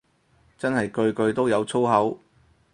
真係句句都有粗口